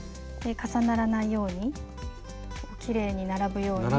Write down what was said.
重ならないようにきれいに並ぶように。